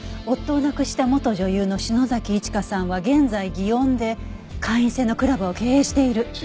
「夫を亡くした元女優の篠崎市香さんは現在祗園で会員制のクラブを経営している」